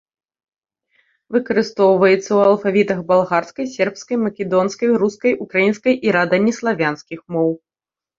Выкарыстоўваецца ў алфавітах балгарскай, сербскай, македонскай, рускай, украінскай і рада неславянскіх моў.